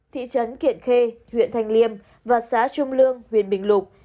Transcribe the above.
thị trấn kiện khê huyện thanh liêm và xã trung lương huyện bình lục